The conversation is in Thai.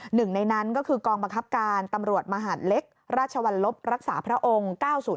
หนึ่งในนั้นก็คือกองบังคับการตำรวจมหาดเล็กราชวรรลบรักษาพระองค์๙๐